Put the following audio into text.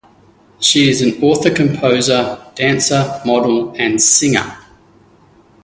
She is an author-composer, dancer, model and singer.